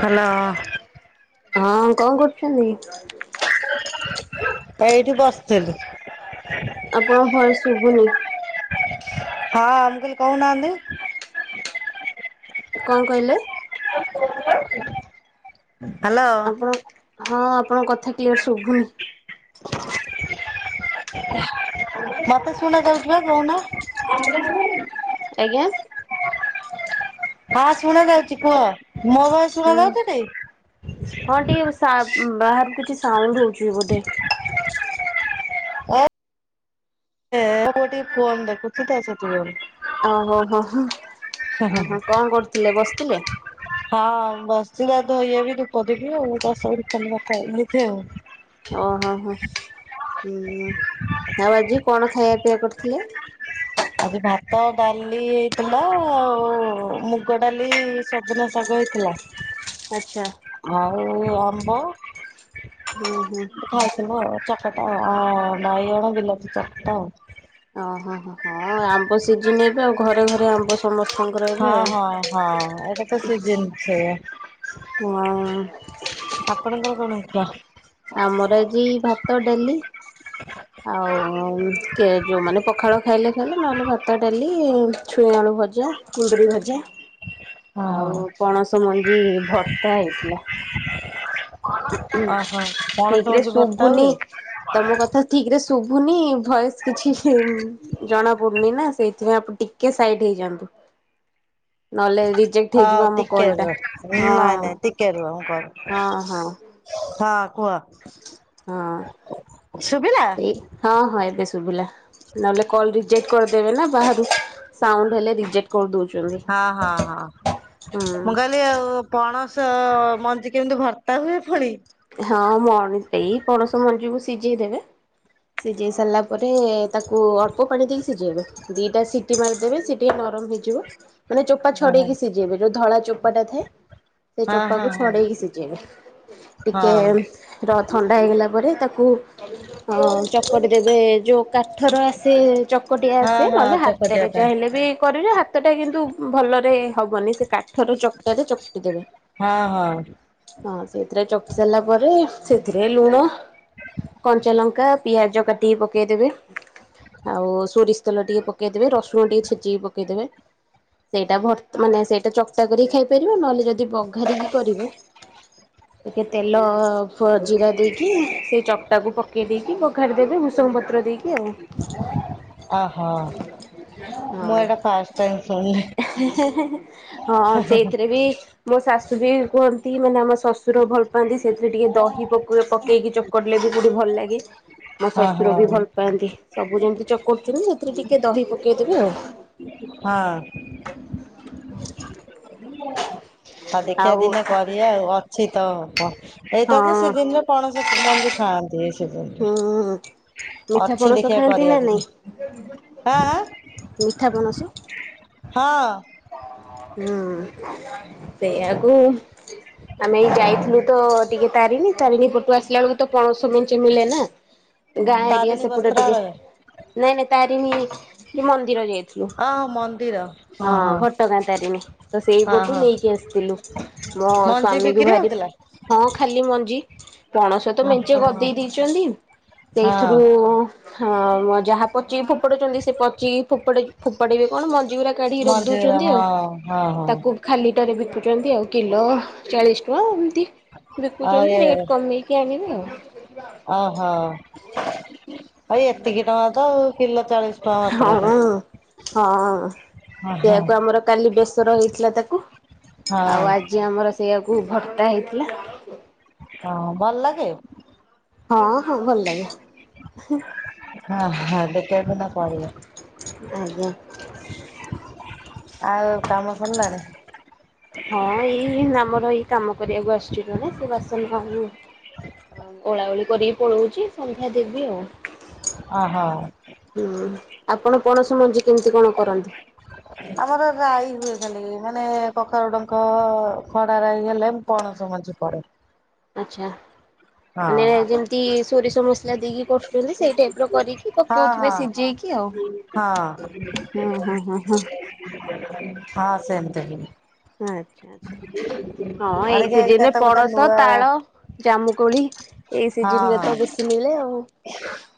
Hello. ହଁ କଣ କରୁଛନ୍ତି? ଏଇଠି ବସିଥିଲି। ଆପଣଙ୍କ ଭୟସ ଶୁଭୁନି। ହଁ ମୁଁ କହିଲି କହୁନାହାନ୍ତି। କଣ କହିଲେ? [inaudible] ଆପଣ ହ୍ୟାଲୋ। ହଁ ଆପଣଙ୍କ କଥା କ୍ଲିୟର ଶୁଭୁନି। ମତେ ଶୁଣ ଯାଉଚି ବା କହୁନ। ଆଜ୍ଞା। ହଁ ଶୁଣା ଯାଉଛି କୁହ। ମୋ ଭୟସ ହୁଁ। ଶୁଣାଯାଉଛି ହଁ ତି? ଟିକେ ସା ବାହାରୁ କିଛି ସାଉଣ୍ଡ ହଉଛି ବୋଧେ। ହ ପୁଅ ଟିକେ ଫୋନ ଦେଖୁଛି ତ ସେଥିପାଇଁ। ଓହୋ ହୋ ହୋ ହୁଁ ହୁଁ। ଓହୋ କଣ କରୁଥିଲେ, ବସିଥିଲେ? ସିଧା ଧୋଇହେବି ଧୂପ ଦେବି ଆଉ, ତା ସହ କାଲି କଥା ହେବି, ଏମତି ଆଉ। ଓ ହୋ ହୋ ହଁ, ଆଉ ଆଜି? କଣ ଖାଇବା ପିଇବା କରୁଥିଲେ? ଆଜି ଭାତ ଡାଲି ହେଇଥିଲା, ଆଉ ମୁଗ ଡାଲି, ସଜନା ଶାଗ ହେଇଥିଲା। ଆଚ୍ଛା ଆଉ ଆମ୍ବ ହୁଁ ହୁଁ। ଖାଇଥିଲୁ ଆଉ ଚକଟା, ଆ-ଆ ବାଈଗଣ ବିଲାତି ଚକଟା ଆଉ। ଓ ହୋ ହୋ। ହଁ ଆମ୍ବ ସି ଯିଏ ନେବେ ଆଉ ଘରେ ଘରେ ଆମ୍ବ ସମସ୍ତେ ହଁ ହଁ ହଁ ଏଟା ତ ସିଜିନ୍ ସେୟା। ହଁ କଣ କଣ କଣ କହ? ଆମର ଆଜି ଭାତ ଡାଲି ଆଉ କି ଯୋଉମାନେ ପଖାଳ ଖାଇଲେ ଖାଇଲେ ନହେଲେ ଭାତ, ଡାଲି, ଛୁଇଁ ଆଳୁ ଭଜା, କୁନ୍ଦୁରି ଭଜା ହଁ ହଁ ଆଉ ପଣସ ସ ମଞ୍ଜି ଭର୍ତ୍ତା ହେଇଥିଲା। ଓହୋ ପଣସ ଠିକରେ ମଞ୍ଜି ଭର୍ତ୍ତା ଶୁଭୁନି ହୁଏ? ତମ କଥା ଠିକ ରେ ଶୁଭୁ ଭୁନି ଭଏସ କିଛି ଜଣା ପଡୁନି ନା ସେଇଥିପାଇଁ ଆପଣ ଟିକେ ସାଇଟ ହେଇଯାଆନ୍ତୁ ନହେଲେ ରିଜେକ୍ଟ ହେଇଯିବ ହଉ ଆମ କଲ ଟିକେ ଟା ରୁହ ନାଇଁ ହଁ ନାଇଁ ଟିକେ ରୁହ ମୁଁ କରୁ ହଁ ହଁ ହଁ କୁହ। ହଁ ଶୁଭିଲା? ଏଇ ହଁ ହଁ ଏବେ ଶୁଭିଲା ନହେଲେ କଲ ରିଜେକ୍ଟ କରିଦେବେ ନା ବାହାରୁ ସାଉଣ୍ଡ ହେଲେ ରିଜେକ୍ଟ କରିଦଉଚ ହଁ ହଁ ହଁ ହୁଁ ମୁଁ କହିଲି ଆଉ ପଣସ ମଞ୍ଜି କେମିତି ଭର୍ତା ତା ହୁଏ ଫୁଣି ହଁ ମଣି ଏଇ ପଣସ ମଞ୍ଜିକୁ ସିଝେଇ ଦେବେ ସିଝେଇ ସାରିଲା ପରେ ତାକୁ ଅଳ୍ପ ପାଣି ଦେଇକି ସିଝେଇବେ ଦିଟା ସିଟି ମାରିଦେବେ ସିଏ ଟିକେ ନରମ ହେଇଯିବ ମାନେ ଚୋପା ହଁ ଛଡେଇକି ସିଝେଇବେ ଯୋଉ ଧଳା ଚୋପାଟା ଥାଏ ସେ ହଁ ହଁ ଚୋପାକୁ ହଁ ଛଡେଇକି ସିଝେଇବେ। ହଁ ଟିକେ ର ଥଣ୍ଡା ହେଇଗଲା ତାପରେ ତାକୁ ହଁ ଚକଟି ଦେବେ ଯୋଉ କାଠର ଆସେ ଚକଟି ହଁ ଆସେ ହଁ ହଁ ନହେଲେ ଚକଟିବା ହାତେରେ ପାଇଁ ଚାହିଁଲେ ବି କରିବେ ହାତଟା କିନ୍ତୁ ଭଲରେ ହବନି ସେ କାଠର ଚକଟାରେ ଚକଟି ଦେବେ ହଁ ହଁ ହଁ ସେଇଥିରେ ଚକ୍ ତାପରେ ସେଇଥିରେ ଲୁଣ କଞ୍ଚା ଲଙ୍କା ପିଆଜ କାଟିକି ପକେଇଦେବେ ଆଉ ସୋରିଷ ତେଲ ଟିକେ ପକେଇଦେବେ ରସୁଣ ଟିକେ ଛେଚିକି ପକେଇଦେବେ ସେଇଟା ଭର୍ତ୍ତା ମାନେ ସେଇଟା ଚକଟା କରି ଖାଇପାରିବେ ନହେଲେ ଯଦି ବଘାରିକି କରିବେ ଟିକେ ତେଲ ଫ ଜିରା ଦେଇକି ସେଇ ଚକଟାକୁ ପକେଇ ଦେଇକି ବଘାରିଦେବେ ଭୁଷୁଙ୍ଗ ପତ୍ର ଦେଇକି କି ଆଉ ଓହୋ ମୁଁ ହଁ ଏଇଟା ଫାଷ୍ଟ ଟାଇମ ଶୁଣିଲି ହଁ ସେଇଥିରେ ବି ମୋ ଶାଶୂ ଶୂ ବି କୁହନ୍ତି ମାନେ ଆମ ସ ଶ୍ଵଶୁର ଭଲ ପାଆନ୍ତି ସେଥିରେ ଟିକେ ଦହି ପକୋଇ ପକେଇକି ଚକଟି ଟିଲେ ବି କୋଉଠି ଭଲ ଲାଗେ। ମୋ ହଁ ହଁ ଶ୍ଵଶୁର ବି ଭଲ ପାଆନ୍ତି। ସବୁ ଯେମିତି ଚକଟୁଛନ୍ତି ସେଥିରେ ଟିକେ ଦହି ପକେଇଦେବେ ଆଉ। ହଁ। [inaudible] ଆଉ ଦେଖିଆ ଦିନେ ଆଉ କରିଆ ଆଉ ଅଛି ତ। [unintelligible] ଏଇଟା ତ ହଁ ସେଦିନର ପଣସ ମଞ୍ଜି ଖାଆନ୍ତି। ସିଜିନରେ ହୁଁ ମିଠା ଅଛି ପଣସ ଦେଖିବା ଖାଆନ୍ତି କରିବା ନା ନାଇଁ ଦିନେ ଆଁ ଆଁ ମିଠା ପଣସ? ହଁ। ହୁଁ ସେଇଆକୁ ଆମେ ଏଇ ଯାଇଥିଲୁ ତ ଟିକେ ତାରିଣୀ ତାରିଣୀ ପଟୁ ଆସିଲା ବେଳକୁ ତ ପଣସ ମେନ ମିିଳେ ନା। ଗାଁ ଏରିଆ ତାରିଣୀ ସେପଟ ଟିକେ ବସ୍ତ୍ରାଳୟ ନାଇଁ ନାଇଁ ତାରିଣୀ କି ମନ୍ଦିର ଯାଇ ଥିଲୁ ହଁ ଘଟଗାଁ ତାରିଣୀ ତ ହଁ ସେଇପଟୁ ହଁ ନେଇକି ଆସିଥିଲୁ ମୋ ମଞ୍ଜି ସ୍ଵାମୀକୁ ବିକ୍ରି ଭାରି ହଉଥିଲା ହଁ ଖାଲି ମଞ୍ଜି ପଣସ ତ ମେଞ୍ଚେ ଗଦ୍ ହଁ ଦେଇ ଦେଇଛନ୍ତି ହଁ ସେଇଥିରୁ ହଁ ଯାହା ପଚି ଫୋପାଡୁଚନ୍ତି ସେ ପଚିକି ଫୋପାଡି ଫୋପାଡିବେ କଣ ମନ୍ ଜି ଗୁରା କାଢିକି ରଖି ମଞ୍ଜିର ଦଉଛନ୍ତି ହଁ ଆଉ ହଁ ହଁ ତାକୁ ଖାଲି ଅଟରେ ବିକୁଛନ୍ତି ଆଉ କିଲୋ ଚାଳିଶ ଟଙ୍କା। ତି ଆଉ ଏ ବିକୁଚନ୍ତି ରେଟ କମେଇକି ଆଣିବେ ଆଉ। ଓହୋ। ଭାଇ ଏତିକି ଟଙ୍କା ତ ଆଉ କିଲ ଚାଳିଶ ଟଙ୍କା ମାତ୍ର ହଁ। ତ। ହଁ। ସେଇଆକୁ ଆମର କାଲି ବେଶି ରହିଥିଲା ତାକୁ। ହଁ ଆଉ ଆଜି ଆମର ସେୟାକୁ କୁ ଭତ୍ତା ହେଇଥିଲା। ହଁ ଭଲ ଲାଗେ। ହଁ ହଁ ଭଲ ଲାଗେ ହେଁ। ହଁ ହ [unintelligible] ପଡ଼ିବ। ଆଜ୍ଞା। ଆଉ କାମ ସରିଲାଣି ହଁ ଏଇ ନା। ଆମର ଏଇ କାମ କରିବାକୁ ଆସିଛି ଜଣେ ସେ ବାସନ ଓଳା ଓଳି କରିକି ପଳଉଛି ସନ୍ଧ୍ୟା ଦେବି ଆଉ। ଅ ହ। ହୁଁ ଆପଣ ପଣସ ମଞ୍ଜି କେମିତି କଣ କରନ୍ତି? ଆମର ରାଈ ହୁଏ ଖାଲି ମାନେ କଖାରୁ ଡଙ୍କ ଖଡା ରାଇ ହେଲେ ମ ପଣସ ମଞ୍ଚି ପଡେ। ଆଛା। ହଁ ମାନେ ଯେମିତି ସୋରିଷ ମସଲା ଦେଇକି କରୁଛନ୍ତି ସେଇ ଟାଇପ ର କରିକି ହଁ ପକଉଥିବେ ହଁ ସିଝେଇକି ଆଉ ହଁ ହୁଁ ହୁଁ ହୁଁ ହୁଁ। ସେମତି [unintelligible] ଆଛା ଆଛା ହଁ ଏଇ ଆରିକେ ଏଇଟା ସିଜନରେ ତ ଗୋଟେ ପଣସ ନୂଆ ତାଳ ଜାମୁକୋଳି ଏଇ ସିଜିନରେ ତ ବେଶି ମିଳେ ଆଉ।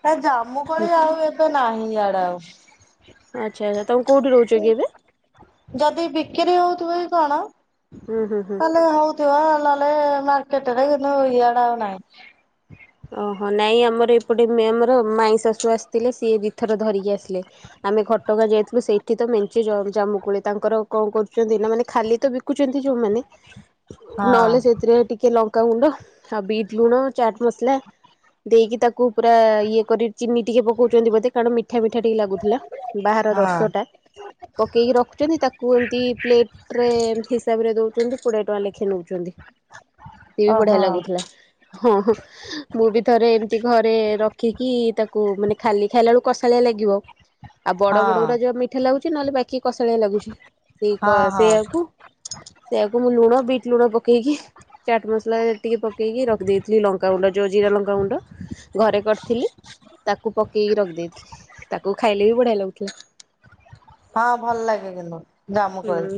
ନା ଜାମୁ କୋଳି ଆଉ ଏ ତ ନାହିଁ ଇଆଡ଼େ ଆଉ। ଆଚ୍ଛା ଆଛା ତମେ କୋଉଠି ରହୁଛ କି ଏବେ? ଥିବେ କି କଣ? ହୁଁ ହୁଁ ହୁଁ ହେଲେ ହଉଥିବ ନହେଲେ ନାଇଁ। [unintelligible] ଇଆଡେ ଆଉ ନାହିଁ। ଓହୋ ନାଇଁ ଆମର ଏପଟେ ଆମର ମାଇଁ ଶାଶୁ ଆସିଥିଲେ ସିଏ ଦିଇଥର ଧରିକି ଆସିଲେ। ଆମେ କଟକ ଯାଇଥିଲୁ ସେଇଠି ତ ମେଞ୍ଚେ ଜ ଜାମୁକୋଳି ତାଙ୍କର କଣ କରୁଛନ୍ତି ନା ମାନେ ଖାଲି ତ ବିକୁଛନ୍ତି ଯୋଉମାନେ ହଁ ନହେଲେ ସେଥିରେ ଟିକେ ଲ ଲଙ୍କା ଗୁଣ୍ଡ ଆଉ ବିଟ୍ ଲୁଣ ଓ ଚାଟ୍ ମସଲା ଦେଇକି ତାକୁ ପୁରା ଇଏ କରି ଚିନି ଟିକେ ପକଉଛନ୍ତି ବୋଧେ କାରଣ ମି ମିଠା ମିଠା ଟିକେ ଲାଗୁଥିଲା ବାହାର ହଁ ରସଟା ପକେଇକି ରଖୁଛନ୍ତି ତାକୁ ଏମିତି ପ୍ଲେଟରେ ଏମତି ହିସାବରେ ଦେଉ କିନ୍ତୁ କୋଡିଏ ଟଙ୍କା ଲେଖା ନଉଛନ୍ତି। ସିଏ ବି ବଢିଆ ଓହୋ ଲାଗୁଥିଲା। ହଁ ହଁ। ମୁଁ ବି ଥରେ ଏମିତି ଘରେ ର ଦେଖିକି ତାକୁ ମାନେ ଖାଲି ଖାଇଲା ବେଳକୁ କସାଳିଆ ଲାଗିବ। ଆଉ ବଡ ହଁ ବଡଗୁଡା ଯୋଉରା ମିଠା ଲାଗୁ। [unintelligible] ଟିକେ କସାଳିଆ ଲାଗୁଛି। ସେଇ କ ହଁ ହଁ ସେୟାକୁ ସେୟାକୁ ମୁଁ ଲୁଣ ବିଟ୍ ଲୁଣ ପକେ ପକେଇକି ଚାଟ୍ ମସଲା ଟିକେ ପକେଇକି ରଖିଦେଇଥିଲି ଲ ଲଙ୍କାଗୁଣ୍ଡ ଯେଉଁ ଜିରା ଲଙ୍କାଗୁଣ୍ଡ ଘରେ କରିଥିଲି ତାକୁ ପକେଇକି ରଖିଦେଇଥିଲି ତାକୁ ଖାଇଲେ ବି ବଢ଼ିଆ ଲାଗୁଥିଲା । ହଁ ଭଲ ଲାଗେ କିନ୍ତୁ। ହୁଁ ଜାମୁକୋଳି।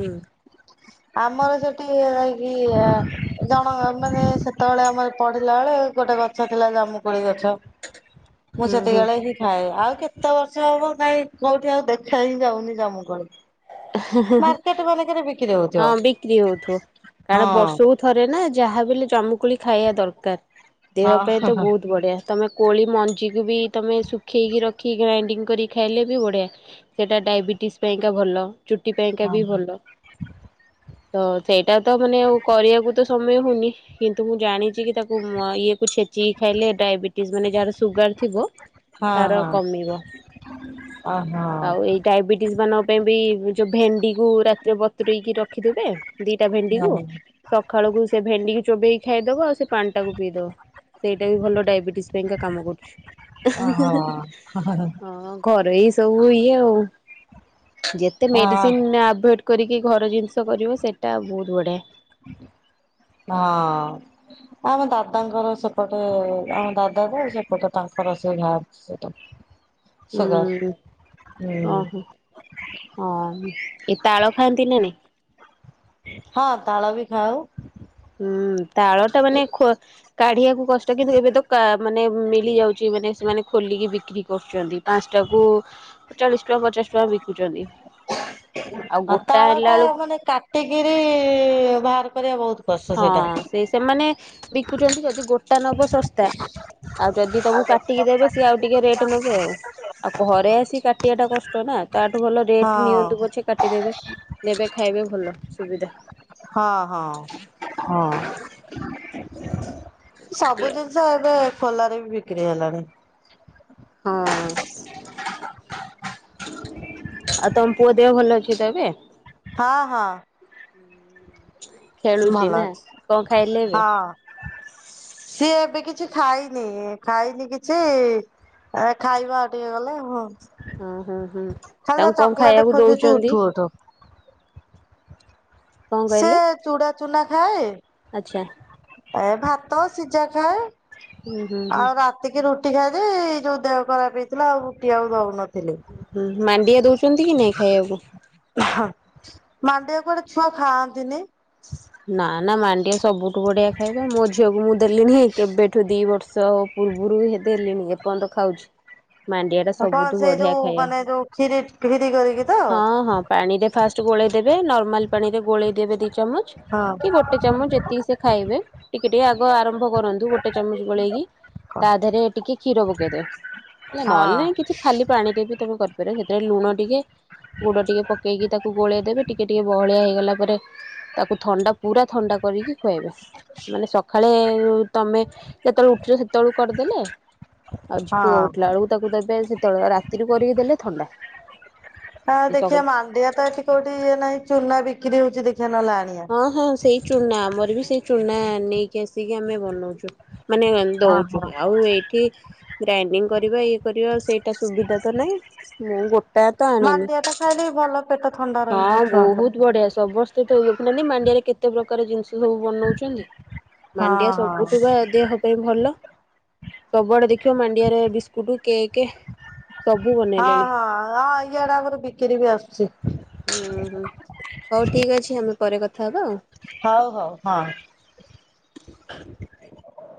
ଆମର ସେଠି ଇ ଜଣ ମାନେ ସେତେବେଳେ ଆମର ପଡି ଥିଲା ବେଳେ ଗୋଟେ ଗଛ ଥିଲା ଜାମୁକୋଳି ଗ ଛ ମୁଁ ହୁଁ ହୁଁ ସେତିକିବେଳେ ହିଁ ଖାଏ। ଆଉ କେତେ ବର୍ଷ ହେବ କାଇଁ କେଉଁଠି ଆଉ ଦେଖା ହିଁ ଯାଉ ନି ଜାମୁକୋଳି ମାନଙ୍କରେ ବିକ୍ରି ହଉଥିବ ହଁ ବିକ୍ରି ହେଉଥିବ। କାରଣ ହଁ ବର୍ଷକୁ ଥରେ ନା ଯାହା ବି ହେଲେ ଜମୁକୋଳି ଖାଇବା ଦରକାର। ଦେହ ପାଇଁ ହଁ ତ ବହୁତ ବଢ଼ିଆ ତମେ କୋଳି ମଞ୍ଜିକୁ ବି ତୁମେ ଶୁଖେଇକି ରଖି ଗ୍ରାଇଣ୍ଡିଙ୍ଗ କରି ଖାଇଲେ ବି ବଢ଼ିଆ ସେଇଟା ଡାଇବେଟିସ୍ ପାଇଁକା ଭଲ । ଚୁଟି ପାଇଁକା ବି ଭଲ । ତ ସେଇଟା ତ ମାନେ ଆଉ କରିବାକୁ ତ ସମୟ ହଉନି କିନ୍ତୁ ମୁଁ ଜାଣିଛି କି ତାକୁ ଇଏକୁ ଛେଚିକି ଖାଇଲେ ଡାଇବେଟିସ୍ ମାନେ ଯାହାର ସୁଗାର ଥିବ ହଁ ହଁ ତାର ହଁ କମିବ ଓହୋ ଆଉ ଏଇ ଡାଇବେଟିସ୍ ମାନଙ୍କ ପାଇଁ ବି ଯୋଉ ଭେଣ୍ଡିକୁ ବତୁରେଇକି ରଖିଦେବେ ଦିଟା ଭେଣ୍ଡି କ ହଁ ସକାଳକୁ ସେ ଭେଣ୍ଡିିକୁ ଚୋବେଇକି ଖାଇଦବ ଆଉ ସେ ପାଣିଟାକୁ ପିଇଦବ ସେଇଟା ବି ଭଲ ଡାଇବେଟିସ ପାଇଁକା କାମ କରୁଛି। ଓହୋ ହଁ ଘରେ ସବୁ ଇଏ ଆଉ ହଁ ମେଡିସିନ୍ ଆଭଏଡ୍ କରିକି ଘର ଜିନିଷ କରିବ ସେଇଟା ବହୁତ ବଢ଼ିଆ। ହଁ ଆମ ଦାଦାଙ୍କର ସେପଟେ ଆମ ଦାଦା ତ ସେପଟେ ତାଙ୍କର ସେଇ ଘାଅ ସେଇଟା। ହୁଁ ଓହୋ ହଁ ଏ ତାଳ ଖାଆନ୍ତି ନା ନାହିଁ। ଆଉ ହୁଁ ତାଳ ଟା ମାନେ କାଢ଼ିବାକୁ କଷ୍ଟ କିନ୍ତୁ ଏବେ ତ ମାନେ ମଳିଯାଉଛି ମାନେ ସେମାନେ ଖୋଲିକି ବିକ୍ରି କରୁଛନ୍ତି ପାଞ୍ଚଟା କ ଚାଳିଶ ଟଙ୍କା ପଚାଶ ଟଙ୍କା ବିକୁଛନ୍ତି। ଆଉ ହଁ ଗୋଟା ତାଳ ହେଲା ଟା ବେଳକୁ ମାନେ କାଟିକି ବାହାର କରିବା ବହୁତ । ହଁ ସେଇ ସେମାନେ ବିକୁଛନ୍ତି ଯଦି ଗୋଟେ । ଟ ନବୋ ଶସ୍ଥା । ଆଉ ଯଦି ତମକୁ କାଟିକି ଦେବେ ସି ଆଉ ଟିକେ ରେଟ୍ ଆଉ ଯଦି ତମକୁ କାଟିକି ଦେବେ ସିଏ ଆଉ ଟିକିଏ ରେଟେ ନେବେ ଘରେ ଆସିିକ କାଟିବା ଟା କଷ୍ଟ ନା ତାଠୁ ଭଲ ରେଟ ହଁ ନିଅନ୍ତୁ ପଛେ କାଟିଦେବେ ଦେବେ ଖାଇବେ ଭଲ। ସୁବିଧା ହଁ ହଁ। ହଁ। ସବୁ ଜିନିଷ ଏବେ ଖୋଲା ରେ ବିକ୍ରି ହେଲାଣି। ହଁ [inaudible] ଆଉ ତମ ପୁଅ ଦେହ ଭଲ ଅଛି ତ ଏବେ? ହଁ ହଁ। [inaudible] ଖେଳୁଛି ଭଲ ନା ଅଛି କଣ ଖାଇଲେ ଏବେ? ହଁ। ସିଏ ଏବେ କିଛି ଖାଇନି ଖାଇନି କିଛି ଖାଇବା ଆଉ ଟିକେ ଗଲେ ହୋ ହୁଁ ହୁଁ ହୁଁ ତାଙ୍କୁ କଣ ଖାଇବାକୁ ଖୋଜୁଛି ଦଉଛନ୍ତି? ଉଠୁ ଉଠୁ। କଣ ସେ କହିଲେ? ଚୁଡ଼ା ଚୁନା ଖାଏ ଆଚ୍ଛା। ଏ ଭାତ ସିଝା ଖାଏ। ହୁଁ ହୁଁ ହୁଁ ଆଉ ରାତିକ ରୁଟ ଟି ଖାଏ ଯେ ଯୋଉ ଦେହ ଖରାପ ହେଇଥିଲା ଆଉ ରୁଟି ଆଉ ଦଉନ ହୁଁ ମାଣ୍ଡିଆ ଦଉଛନ୍ତି କି ନାଇଁ ଖାଇବାକୁ? ହ ମାଣ୍ଡିଆ କୁଆଡ଼େ ଛୁଆ ଖାଆନ୍ତିନି? ନା ନା ମାଣ୍ଡିଆ ସବୁଠୁ ବଢିଆ ଖାଇବା, ମୋ ଝିଅକୁ ମୁଁ ଦେଲିଣିି କେବେଠୁ ଦି ବର୍ଷ ପୂର୍ବରୁ ଦେଲିଣିି ଏପର୍ଯ୍ୟନ୍ତ ଖାଉଛି। ମାଣ୍ଡିଆ ଟା କଣ ସବୁଠୁ ସେଇ ବଢିଆ ଯୋଉ ଖାଇବା, ମାନେ ଯୋଉ କ୍ଷୀରି କ୍ଷୀରି କରିକି ତ? ହଁ ହଁ ପାଣିରେ ଫାଷ୍ଟ ଗୋଳେଇ ଦେବେ ନର୍ମାଲ ପାଣିରେ ଗୋଳେଇ ଦେବେ ଦି ଚାମଚ ହଁ କି ଗୋଟେ ଚାମଚ ଯେତିକି ସେ ଖାଇବେ ଟିକେ ଟିକେ ଆଗ ଆରମ୍ଭ କରନ୍ତୁ ଗୋଟେ ଚାମଚ ଗୋଳେଇକି, ହଁ ତା ଦେହରେ ଟିକେ କ୍ଷୀର ପକେଇଦେବେ, ହେଲା ନହେଲେ ନାଇଁ କିଛି ଖାଲି ପାଣିରେ ବି ରେ ଲୁଣ ଟିକେ ଗୁଡ ଟିକେ ପକେଇକି ତାକୁ ଗୋଳେଇ ଦେବେ ଟିକେ ଟିକେ ବହଳିଆ ହେଇଗଲା ପରେ ତାକୁ ଥଣ୍ଡା ପୁରା ଥଣ୍ଡା କରିକି ଖୁଆଇବେ, ମାନେ ସକାଳେ ତମେ ଯେତେବେଳେ ଉଠୁଛ ସେ ତଳୁ କରିଦେଲେ, ଆଉ ପୁଅ ଉଠିଲା ବେଳକୁ ତାକୁ ଦେବେ ସେ କେତେବେଳେ ରାତିରୁ କରିକି ଦେଲେ ଥଣ୍ଡା। ହଁ ଦେଖିବା ମାଣ୍ଡିଆ ତ ଏଠି କୋଉଠି ଇଏ ନାହିଁ ଚୁନା ବିିକ ବିକ୍ରି ହଉଚି ଦେଖ ଦେଖିଆ ନହେଲେ ଆଣିଆ। ହଁ ହଁ ସେଇ ଚୁନା ଆମର ବି ସେଇ ଚୁନା ନେଇକି ଆସିକି ଆମେ ବନଉଛୁ। ମାନେ ଦଉଛୁ, ଓହୋ ଆଉ ଏଇଠି ଗ୍ରାଇଣ୍ଡିଙ୍ଗ କରିବା, ଇଏ କରିବା, ସେଇଟା ସୁବିଧା ତ ନାହିଁ ମୁଁ ଗୋ ମାଣ୍ଡିିଆ ଟା ଖାଇଲେ ଭଲ ପେଟ ଥ ହଁ ବହୁତ ବଢିଆ ସବୁ ବର୍ଷ ତେଣୁ ଦେଖୁନାହାନ୍ତି ମାଣ୍ଡିଆରେ କେତେ ପ୍ରକାର ଜିନିଷ ସବୁ ବନଉଛନ୍ତି। ହଁ ମାଣ୍ଡିଆ ହଁ ସବୁଠୁ ବା ଦେହ ପାଇଁ ଭଲ। ସବୁଆଡେ ଦେଖିବ ମାଣ୍ଡିଆରେ ବିସ୍କୁଟ, କେକେ ହଁ ହଁ ହଁ ଇ ଇଆଡେ ଆମର ବିକ୍ରି ବି ଆସୁଛି। ହୁଁ ହୁଁ ହଉ ଠିକ ଅଛି ଆମେ ପରେ କଥା ହବା ଆଉ। ହଉ ହଉ ହଁ।